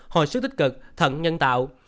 hồi sức tích cực thận nhân tạo